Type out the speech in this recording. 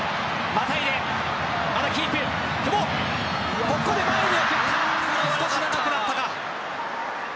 久保、ここで前に送ったが少し長くなったか。